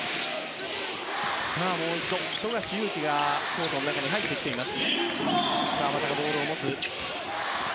富樫勇樹がコートの中に入ってきています。